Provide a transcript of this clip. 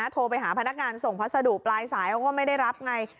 โทรไปหาพนักงานส่งพัสดุปลายสายเขาก็ไม่ได้รับไง